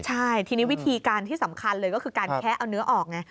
ใช่ทีนี้วิธีการที่สำคัญเลยก็คือการแคะเอาเนื้อออกไง